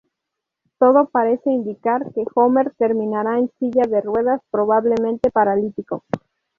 Todo parece indicar que Homer terminará en silla de ruedas, probablemente paralítico.